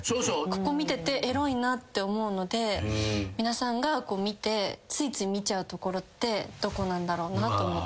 ここ見ててエロいなって思うので皆さんが見てついつい見ちゃう所ってどこなんだろうなと思って。